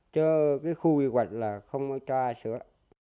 cho cái khu quy hoạch là không có cho ai sửa